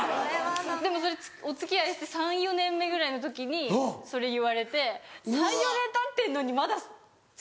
でもそれお付き合いして３４年目ぐらいの時にそれ言われて３４年たってるのにまだその。